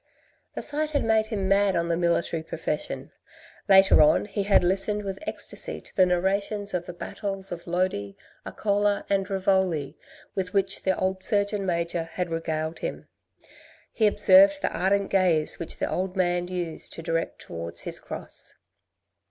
The sight had made him mad on the military profession. Later on he had listened with ecstasy to the narrations of the battles of Lodi, Areola and Rivoli with which the old surgeon major had regaled him. He observed the ardent gaze which the old man used to direct towards his cross.